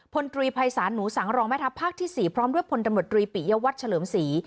พลตรีภัยศาลหนูสังรองแม่ทัพภาคที่๔พร้อมด้วยพลตำรวจรีปิยวัตรเฉลิมศรี